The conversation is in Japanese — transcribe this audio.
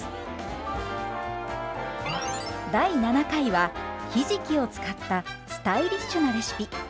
第７回はひじきを使ったスタイリッシュなレシピ。